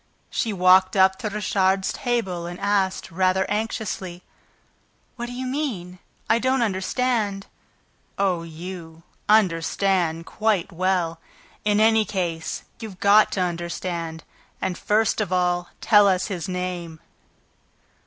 She walked up to Richard's table and asked, rather anxiously: "What do you mean? I don't understand." "Oh, you, understand quite well. In any case, you've got to understand... And, first of all, tell us his name."